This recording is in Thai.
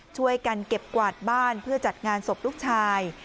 ช่วยกันเก็บกวาดบ้านเพื่อจัดงานศพลูกชาย